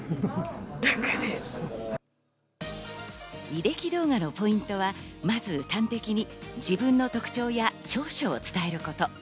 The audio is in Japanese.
履歴動画のポイントはまず端的に自分の特徴や長所を伝えること。